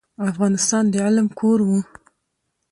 افغانستان د علم کور و.